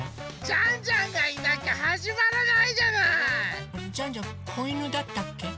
ジャンジャンこいぬだったっけ？